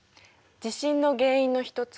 地震の原因の一つ。